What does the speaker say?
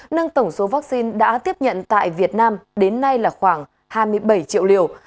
nâng tổng số vaccine đã tiếp nhận tại việt nam đến nay là khoảng hai mươi bảy triệu liều